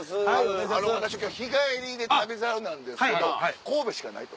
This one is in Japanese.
あの私今日日帰りで『旅猿』なんですけど神戸しかないと。